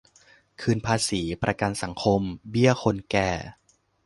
คืนภาษี ประกันสังคม เบี้ยคนแก่